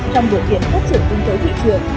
trong buổi tiến phát triển kinh tế thị trường